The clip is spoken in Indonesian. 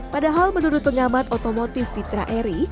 padahal menurut pengamat otomotif fitra eri